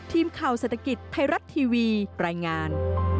ทีมข่าวเศรษฐกิจไทยรัฐทีวีรายงาน